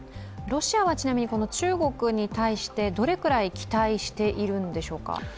ロシアはこの中国に対してどれくらい期待しているんでしょうか。